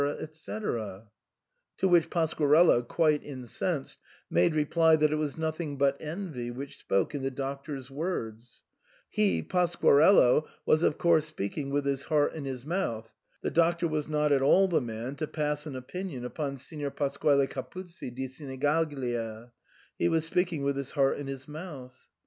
&c. To which Pasquarello, quite incensed, made reply that it was nothing but envy which spoke in the Doc tor's words ; he (Pasquarello) was of course speaking with his heart in his mouth {parla col cuore in mano) ; the Doctor was not at all the man to pass an opinion upon Signor Pasquale Capuzzi di Senigaglia ; he was speaking with his heart in his mouth.